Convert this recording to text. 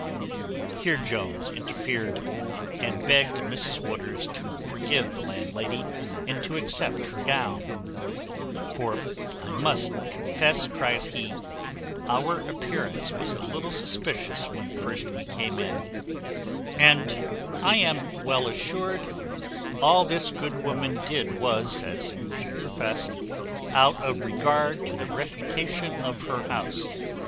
Here Jones interfered, and begged Mrs Waters to forgive the landlady, and to accept her gown: "for I must confess," cries he, "our appearance was a little suspicious when first we came in; and I am well assured all this good woman did was, as she professed, out of regard to the reputation of her house."